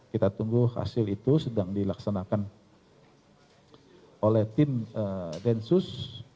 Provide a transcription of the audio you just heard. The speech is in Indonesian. kita tunggu hasil itu sedang dilaksanakan oleh tim densus delapan puluh delapan